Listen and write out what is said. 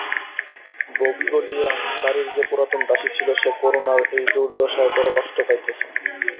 ভবি বলিয়া বাড়ির যে পুরাতন দাসী ছিল সে করুণার এই দুর্দশায় বড়ো কষ্ট পাইতেছে।